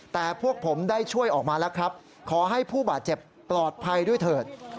แต่พวกผมได้ช่วยออกมาแล้วครับขอให้ผู้บาดเจ็บปลอดภัยด้วยเถิด